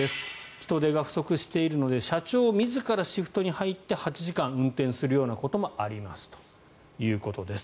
人手が不足しているので社長自らシフトに入って８時間運転するようなこともありますということです。